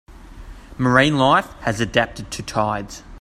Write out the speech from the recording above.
Marine life has adapted to tides.